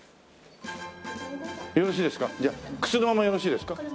よろしいですか？